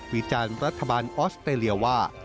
วิจารณ์รัฐบาลออสเตรเลียว่า